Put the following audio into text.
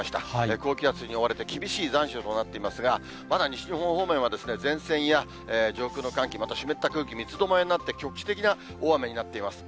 高気圧に覆われて厳しい残暑となっていますが、まだ西日本方面は、前線や上空の寒気、また湿った空気、みつどもえになって、局地的な大雨になっています。